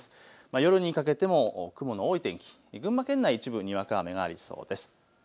夜にかけても雲の多い天気、群馬県内、一部にわか雨がありそうです。